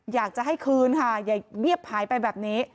อยากจะให้คืนค่ะอย่าเงียบหายไปแบบนี้